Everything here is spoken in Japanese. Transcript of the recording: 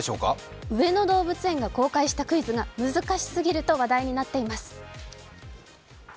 上野動物園が公開したクイズが難しすぎると話題になっています。